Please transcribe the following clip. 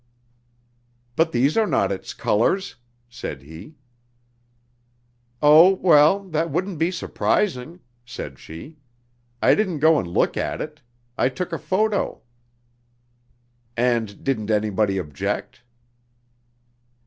"But these are not its colors!" said he. "Oh, well, that wouldn't be surprising," said she. "I didn't go and look at it. I took a photo." "And didn't anybody object?"